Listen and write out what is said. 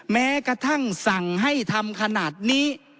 แม้กระทั่งสั่งให้ทำขนาดนี้